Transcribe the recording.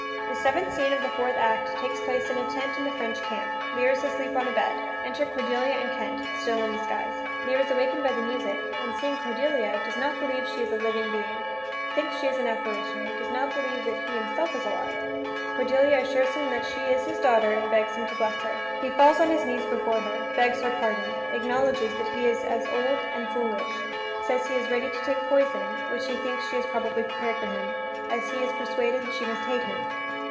The seventh scene of the fourth act takes place in a tent in the French camp. Lear is asleep on a bed. Enter Cordelia and Kent, still in disguise. Lear is awakened by the music, and, seeing Cordelia, does not believe she is a living being, thinks she is an apparition, does not believe that he himself is alive. Cordelia assures him that she is his daughter, and begs him to bless her. He falls on his knees before her, begs her pardon, acknowledges that he is as old and foolish, says he is ready to take poison, which he thinks she has probably prepared for him, as he is persuaded she must hate him.